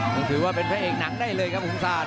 คงถือว่าเป็นพระเอกหนักได้เลยครับหุงทราน